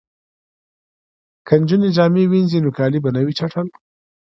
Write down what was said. که نجونې جامې وینځي نو کالي به نه وي چټل.